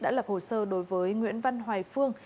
đã lập hồ sơ đối với nguyễn văn hoài phương